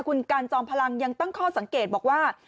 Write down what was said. คุณการจอมพลังยังตั้งข้อสังเกตบอกว่า